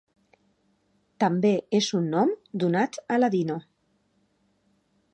També és un nom donat a Ladino.